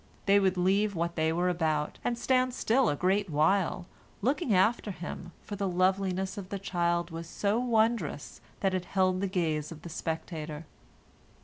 They would leave what they were about, and stand still a great while, looking after him, for the loveliness of the child was so wondrous that it held the gaze of the spectator.